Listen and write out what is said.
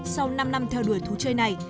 sau năm năm theo đuổi thú chơi này